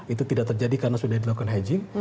itu tidak terjadi karena sudah dilakukan hedging